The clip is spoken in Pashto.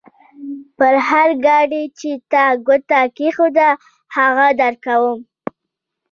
پر هر ګاډي چې تا ګوته کېښوده؛ هغه درکوم.